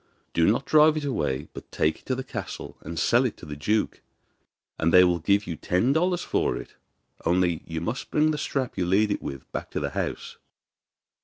Do not drive it away, but take it to the castle and sell it to the duke, and they will give you ten dollars for it; only you must bring the strap you lead it with, back to the house.